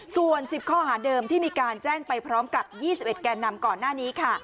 ส่วน๑๐ข้อหาเดิมที่มีการแจ้งไปพร้อมกับ๒๑แกนนำก่อนหน้านี้ค่ะ